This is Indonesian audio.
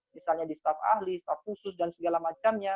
misalnya di staff ahli staff khusus dan segala macamnya